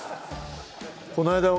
こないだ